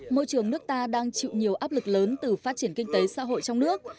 môi trường nước ta đang chịu nhiều áp lực lớn từ phát triển kinh tế xã hội trong nước